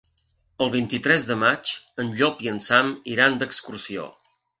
El vint-i-tres de maig en Llop i en Sam iran d'excursió.